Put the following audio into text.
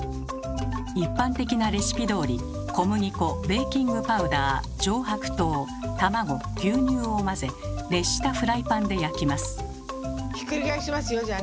一般的なレシピどおり小麦粉・ベーキングパウダー・上白糖・卵牛乳を混ぜ熱したフライパンで焼きます。